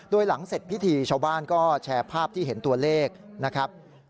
โดยหลังเสร็จพิธีชาวบ้านก็แชร์ภาพที่เห็นตัวเลขนะครับ